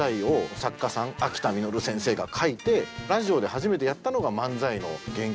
秋田實先生が書いてラジオで初めてやったのが漫才の原型。